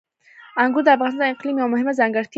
انګور د افغانستان د اقلیم یوه مهمه ځانګړتیا ده.